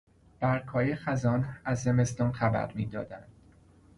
برگهای خزان از زمستان خبر میدادند.